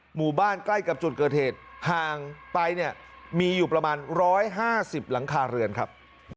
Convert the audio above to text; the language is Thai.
หมู่บ้านใกล้กับจุดเกิดเหตุห่างไปเนี่ยมีอยู่ประมาณ๑๕๐หลังคาเรือนครับ